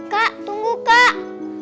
kak tunggu kak